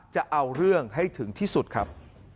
จะเอาเรื่องให้ถึงที่สุดครับ